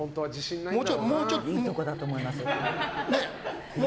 いいところだと思います。